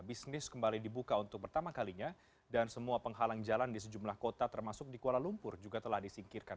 bisnis kembali dibuka untuk pertama kalinya dan semua penghalang jalan di sejumlah kota termasuk di kuala lumpur juga telah disingkirkan